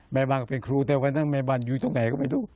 แม่บ้านก็เป็นครูแต่วันนั้นแม่บ้านอยู่ตรงไหนก็ไม่รู้